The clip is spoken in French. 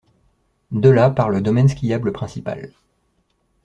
De là part le domaine skiable principal.